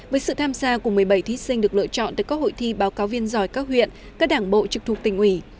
với sự tham gia của một mươi bảy thí sinh được lựa chọn từ các hội thi báo cáo viên giỏi các huyện các đảng bộ trực thuộc tỉnh ủy